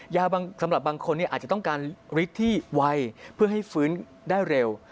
สำหรับบางคนอาจจะต้องการฤทธิ์ที่ไวเพื่อให้ฟื้นได้เร็ว